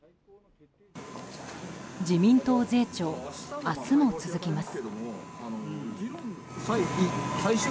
自民党税調、明日も続きます。